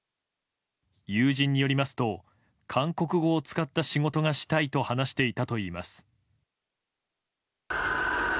友人によりますと韓国語を使った仕事がしたいと話していたといいます。